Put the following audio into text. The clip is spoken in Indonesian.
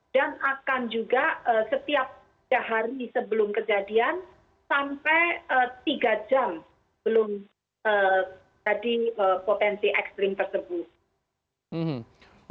dan akan juga setiap hari sebelum kejadian sampai tiga jam belum jadi potensi ekstrim tersebut